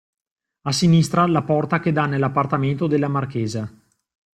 A sinistra la porta che dà nell'appartamento della marchesa.